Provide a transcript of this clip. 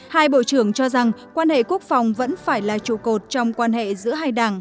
hai bộ trưởng cho rằng quan hệ quốc phòng vẫn phải là trụ cột trong quan hệ giữa hai đảng